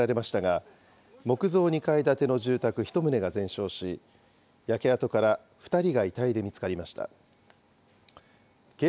火はおよそ４時間後に消し止められましたが、木造２階建の住宅１棟が全焼し、焼け跡から２人が遺体で見つかりました。